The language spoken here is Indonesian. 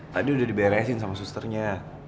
tadi udah diberesin sama susternya